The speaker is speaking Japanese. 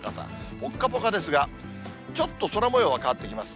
ぽっかぽかですが、ちょっと空もようが変わってきます。